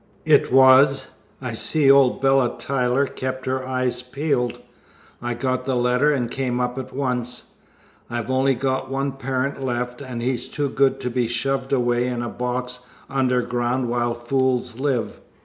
"It was. I see old Bella Tyler kept her eyes peeled. I got the letter and came up at once. I've only got one parent left, and he's too good to be shoved away in a box underground while fools live.